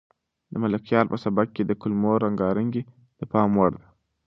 د ملکیار په سبک کې د کلمو رنګارنګي د پام وړ ده.